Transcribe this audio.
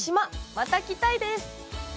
また来たいです。